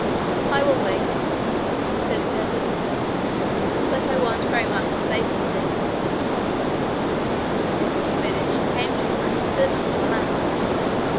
'I will wait,' said Curdie; 'but I want very much to say something.' In a few minutes she came to him where he stood under the lamp.